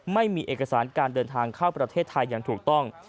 ไม่มีเอกสารการเดินทางเข้าประเทศไทยอย่างถูกต้อง